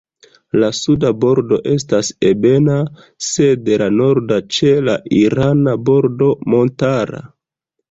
La suda bordo estas ebena, sed la norda ĉe la irana bordo montara.